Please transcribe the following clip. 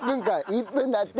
１分だって！